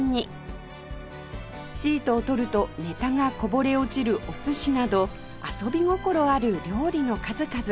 シートを取るとネタがこぼれ落ちるお寿司など遊び心ある料理の数々